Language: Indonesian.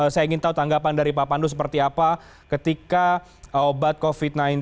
saya ingin tahu tanggapan dari pak pandu seperti apa ketika obat covid sembilan belas